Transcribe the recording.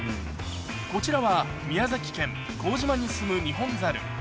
こちらは宮崎県幸島に住むニホンザル。